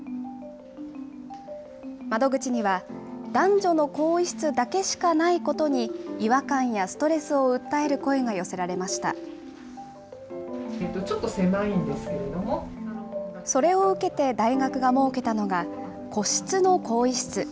窓口には、男女の更衣室だけしかないことに違和感やストレスを訴える声が寄それを受けて、大学が設けたのが、個室の更衣室。